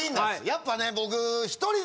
やっぱね僕。